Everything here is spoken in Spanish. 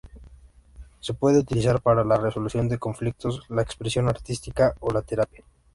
Se pueden utilizar para la resolución de conflictos, la expresión artística o la terapia.